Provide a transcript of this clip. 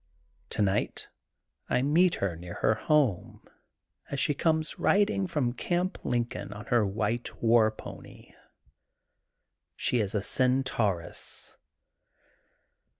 Tonight I meet her near her home as she comes riding from Gamp Lincoln on her wjiite war pony. She is a cen tauress.